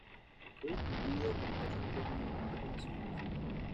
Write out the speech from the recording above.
Fue distinguido con numerosos premios y condecoraciones.